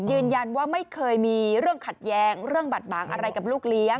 ยืนยันว่าไม่เคยมีเรื่องขัดแย้งเรื่องบาดหมางอะไรกับลูกเลี้ยง